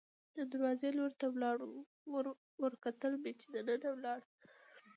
د دروازې لور ته ولاړو، ورته کتل مې چې دننه ولاړه.